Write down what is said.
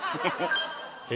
え？